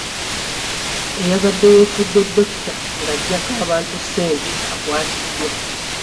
Eyabadde yeefudde dokita ng'aggyako abantu ssente akwatiddwa.